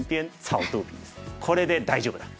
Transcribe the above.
これで大丈夫だ！